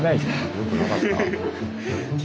よくなかった？